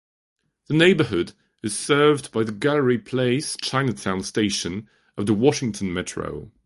The neighborhood is served by the Gallery Place-Chinatown station of the Washington Metro.